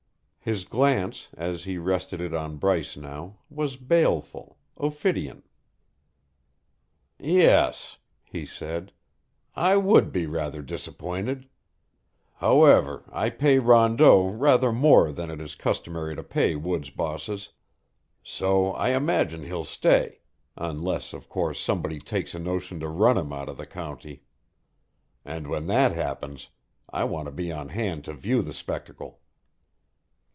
His glance, as he rested it on Bryce now, was baleful, ophidian. "Yes," he said, "I would be rather disappointed. However, I pay Rondeau rather more than it is customary to pay woods bosses; so I imagine he'll stay unless, of course, somebody takes a notion to run him out of the county. And when that happens, I want to be on hand to view the spectacle."